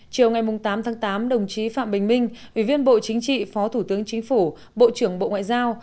chiều ngày tám tháng tám đồng chí phạm bình minh ủy viên bộ chính trị phó thủ tướng chính phủ bộ trưởng bộ ngoại giao